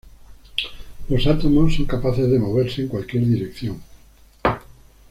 Los átomos son capaces de moverse en cualquier dirección.